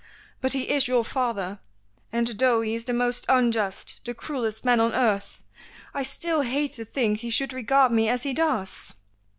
But he is your father, and though he is the most unjust, the cruellest man on earth, I still hate to think he should regard me as he does."